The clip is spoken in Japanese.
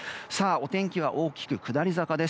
お天気は大きく下り坂です。